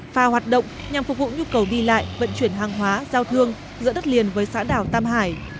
pha hoạt động nhằm phục vụ nhu cầu đi lại vận chuyển hàng hóa giao thương giữa đất liền với xã đảo tam hải